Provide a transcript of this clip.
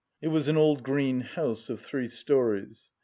It was an old green house of three storeys.